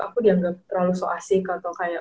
aku dianggap terlalu so asik atau kayak